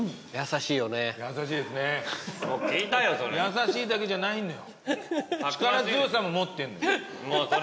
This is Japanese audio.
優しいだけじゃないのよ。